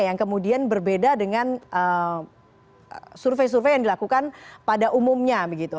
yang kemudian berbeda dengan survei survei yang dilakukan pada umumnya